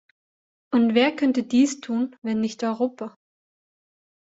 Und wer könnte dies tun, wenn nicht Europa?